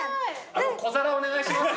小皿お願いします。